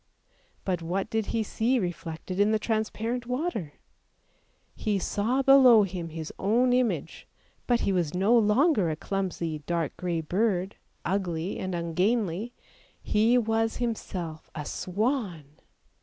But what did he see reflected in the transparent water ? He saw below him his own image, but he was no longer a clumsy dark grey bird, ugly and ungainly, he was himself a swan!